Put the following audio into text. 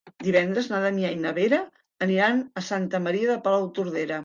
Divendres na Damià i na Vera aniran a Santa Maria de Palautordera.